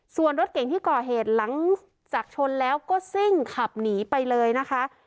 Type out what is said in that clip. ส่วนรถเก่งที่ก่อเหตุหลังจากชนแล้วก็ซิ่งขับหนีไปเลยนะคะ